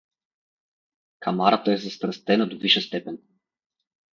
Камарата е застрастена до висша степен.